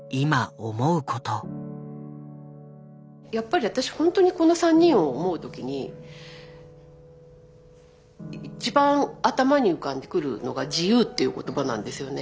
やっぱり私ほんとにこの３人を思う時に一番頭に浮かんでくるのが自由っていう言葉なんですよね。